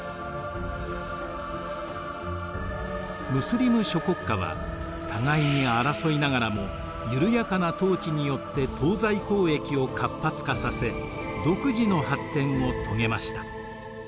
ムスリム諸国家は互いに争いながらも緩やかな統治によって東西交易を活発化させ独自の発展を遂げました。